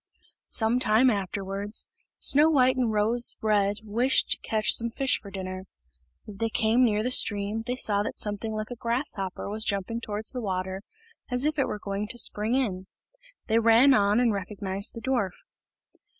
Some time afterwards, Snow white and Rose red wished to catch some fish for dinner. As they came near to the stream, they saw that something like a grasshopper was jumping towards the water, as if it were going to spring in. They ran on and recognised the dwarf.